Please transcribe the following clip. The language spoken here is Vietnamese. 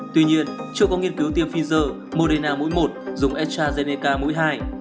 tuy nhiên chưa có nghiên cứu tiêm pfizer moderna mũi một dùng etrazeneca mũi hai